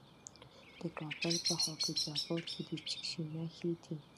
د کابل په خاک جبار کې د څه شي نښې دي؟